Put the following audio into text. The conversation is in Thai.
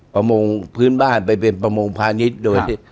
ประมงพื้นบ้านไปเป็นประมงพาณิชย์โดยที่